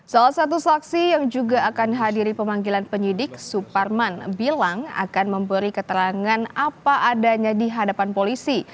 salah satu saksi yang juga akan hadiri pemanggilan penyidik suparman bilang akan memberi keterangan apa adanya di hadapan polisi